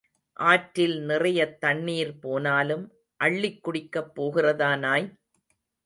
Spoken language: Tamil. ஆற்றில் நிறையத் தண்ணீர் போனாலும் அள்ளிக் குடிக்கப் போகிறதா நாய்?